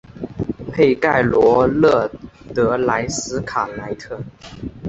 佩盖罗勒德莱斯卡莱特。